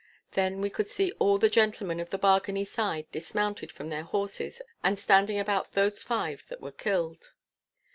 Then we could see all the gentlemen of the Bargany side dismounted from their horses and standing about those five that were killed.